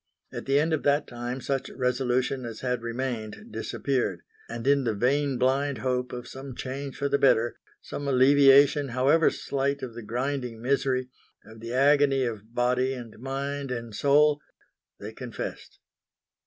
At the end of that time such resolution as had remained disappeared, and in the vain blind hope of some change for the better, some alleviation however slight of the grinding misery, of the agony of body and mind and soul, they confessed.